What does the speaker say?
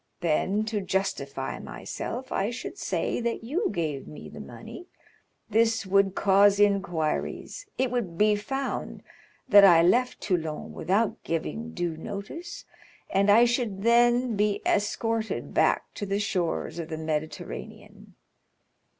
Then, to justify myself, I should say that you gave me the money; this would cause inquiries, it would be found that I left Toulon without giving due notice, and I should then be escorted back to the shores of the Mediterranean.